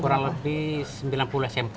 kurang lebih sembilan puluh smk